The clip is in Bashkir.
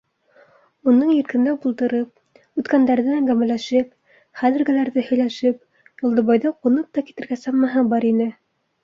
Уның иркенләп ултырып, үткәндәрҙе әңгәмәләшеп, хәҙергеләрҙе һөйләшеп, Юлдыбайҙа ҡунып та китергә самаһы бар ине.